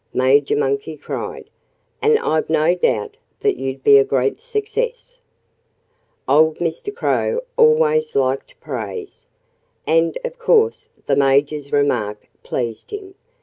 Major Monkey cried. "And I've no doubt that you'd be a great success." Old Mr. Crow always liked praise. And of course the Major's remark pleased him.